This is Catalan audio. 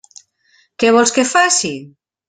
Què vols que faci?